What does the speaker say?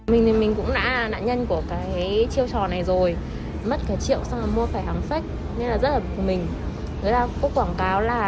mình cũng đã là nạn nhân của quảng cáo